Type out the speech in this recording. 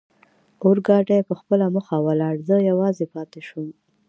اورګاډي پخپله مخه ولاړ، زه یوازې پاتې شوم.